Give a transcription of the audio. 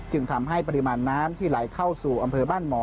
จึงทำให้ปริมาณน้ำที่ไหลเข้าสู่อำเภอบ้านหมอ